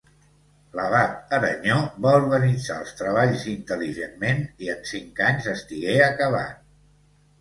L'abat Aranyó va organitzar els treballs intel·ligentment, i en cinc anys estigué acabat.